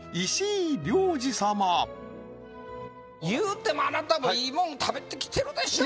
いうてもあなたもいいもん食べてきてるでしょ